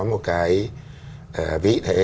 một cái vĩ thế